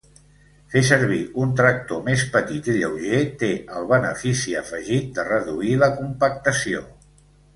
Fer servir un tractor més petit i lleuger té el benefici afegit de reduir la compactació.